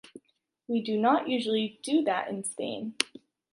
We do not usually do that in Spain.